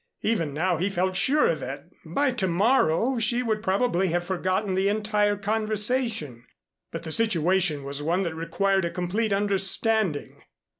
Even now he felt sure that, by to morrow, she would probably have forgotten the entire conversation. But the situation was one that required a complete understanding.